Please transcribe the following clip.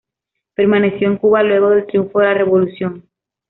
Permaneció en Cuba luego del triunfo de la Revolución.